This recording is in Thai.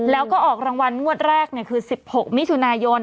แล้วก็ออกรางวัลงวดแรกคือ๑๖มิถุนายน